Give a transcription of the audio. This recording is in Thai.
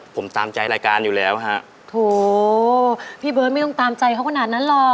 ผมตามใจรายการอยู่แล้วฮะโถพี่เบิร์ตไม่ต้องตามใจเขาขนาดนั้นหรอก